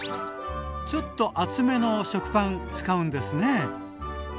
ちょっと厚めの食パン使うんですね。